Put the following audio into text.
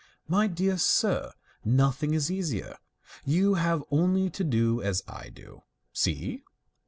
" My dear sir, nothing is easier. You have only to do as I do. See